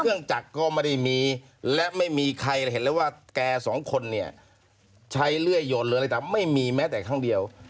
จักรก็ไม่ได้มีและไม่มีใครเห็นแล้วว่าแกสองคนเนี่ยใช้เลื่อยยนหรืออะไรตามไม่มีแม้แต่ครั้งเดียว